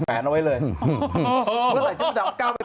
แผนเค้าเอาไว้เลย